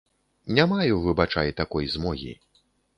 Не маю, выбачай, такой змогі.